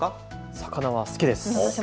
魚は好きです。